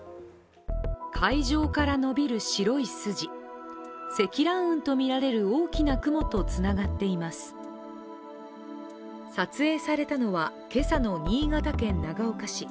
海上から伸びる白い筋積乱雲とみられる大きな雲とつながっています撮影されたのは、今朝の新潟県長岡市。